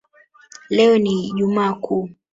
Leo ni ijumaa kuu